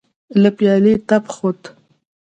له پيالې تپ خوت.